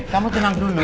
kamu tenang dulu